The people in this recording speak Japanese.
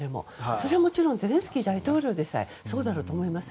それはゼレンスキー大統領でさえそうだろうと思います。